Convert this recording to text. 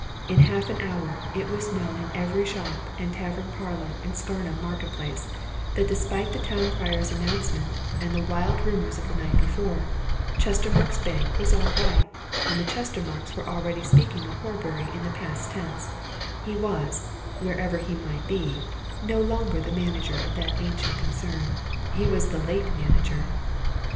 In half an hour it was known in every shop and tavern parlour in Scarnham Market Place that despite the town crier's announcement, and the wild rumours of the night before, Chestermarke's Bank was all right, and Chestermarkes were already speaking of Horbury in the past tense he was (wherever he might be) no longer the manager of that ancient concern; he was the late manager.